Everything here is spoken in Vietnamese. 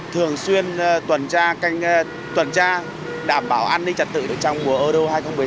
thường xuyên tuần tra đảm bảo an ninh trật tự trong mùa euro hai nghìn một mươi sáu